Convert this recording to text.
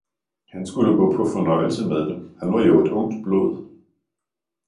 han skulle gå på fornøjelse med dem, han var jo et ungt blod.